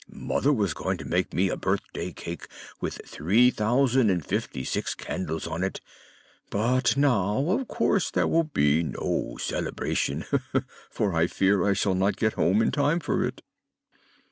Mother was going to make me a birthday cake with three thousand and fifty six candles on it; but now, of course, there will be no celebration, for I fear I shall not get home in time for it."